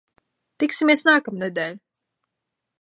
Tiksimies nākamnedēļ!